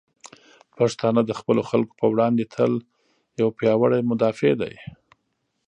پښتانه د خپلو خلکو په وړاندې تل یو پیاوړي مدافع دی.